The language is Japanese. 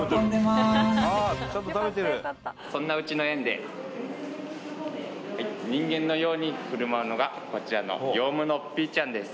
そんなうちの園で人間のように振る舞うのがこちらのヨウムのピーちゃんです